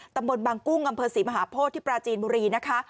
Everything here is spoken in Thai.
ตำบลบางกุ้งอำเภอศรีมหาโพธิที่ปราจีนบุรีนะคะ